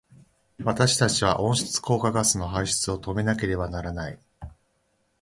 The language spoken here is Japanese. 私たちは温室効果ガスの排出を止めなければならない。